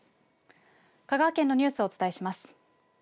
香川県のニュースをお伝えします。